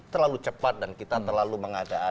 terlalu cepat dan kita terlalu mengada ada